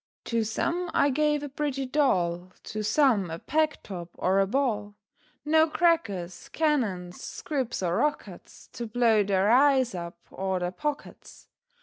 To some I gave a pretty doll, To some a peg top, or a ball; No crackers, cannons, squibs, or rockets, To blow their eyes up, or their pockets.